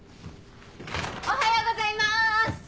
おはようございます！